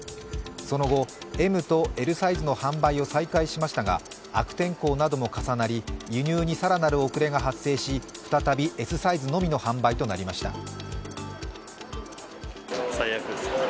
その後、ＭとＬサイズの販売を再開しましたが悪天候なども重なり輸入に更なる遅れが発生し再びＳサイズのみの販売となりました。